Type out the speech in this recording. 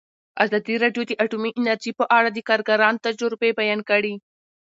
ازادي راډیو د اټومي انرژي په اړه د کارګرانو تجربې بیان کړي.